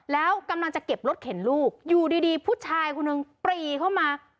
แล้วกำลังจะเก็บรถเข็นลูกอยู่ดีผู้ชายคนหนึ่งปรีเข้ามา